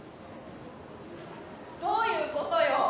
どういうことよ！